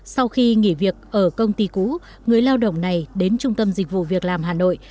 sau khi nghỉ việc ở công ty cũ người lao động này đến trung tâm dịch vụ việc làm hà nội